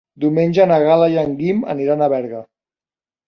Diumenge na Gal·la i en Guim aniran a Berga.